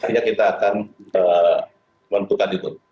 yang akan kita menentukan itu